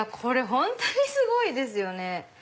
本当にすごいですよね。